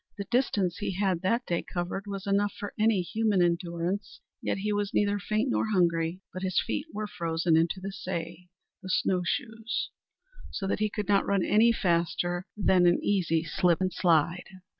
The distance he had that day covered was enough for any human endurance; yet he was neither faint nor hungry; but his feet were frozen into the psay, the snow shoes, so that he could not run faster than an easy slip and slide.